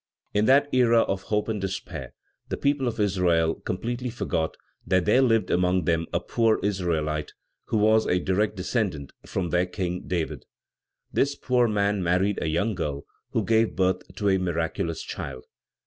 In that era of hope and despair, the people of Israel completely forgot that there lived among them a poor Israelite who was a direct descendant from their King David. This poor man married a young girl who gave birth to a miraculous child.